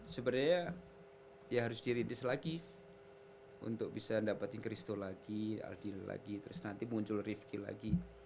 sebenernya ya harus di release lagi untuk bisa dapetin kristu lagi aldila lagi terus nanti muncul rifqi lagi